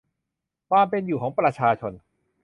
ความเป็นอยู่ของประชาชน